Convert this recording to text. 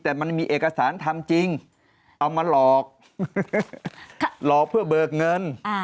แต่มันมีเอกสารทำจริงเอามาหลอกหลอกเพื่อเบิกเงิน